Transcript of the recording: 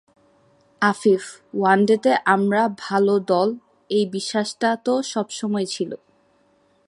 আফিফ: ওয়ানডেতে আমরা ভালো দল—এই বিশ্বাসটা তো সব সময়ই ছিল।